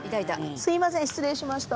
すいません失礼しました。